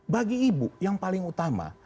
bagi ibu yang paling utama